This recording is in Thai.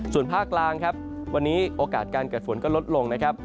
ส่วนภาคกลางครับวันนี้โอกาสการเกิดฝนก็ลดลงนะครับ